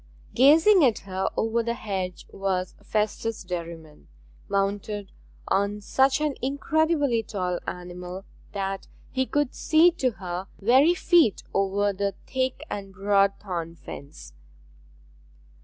Gazing at her over the hedge was Festus Derriman, mounted on such an incredibly tall animal that he could see to her very feet over the thick and broad thorn fence.